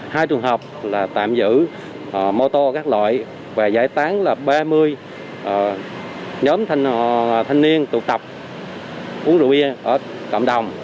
hai trường hợp là tạm giữ mô tô các loại và giải tán là ba mươi nhóm thanh niên tụ tập uống rượu bia